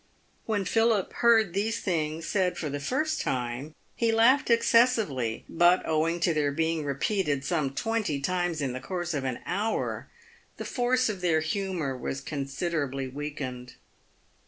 When Philip heard these things said for the first time, he laughed excessively, but owing to their being repeated some twenty times in the course of an hour, the force of their humour was considerably weakened.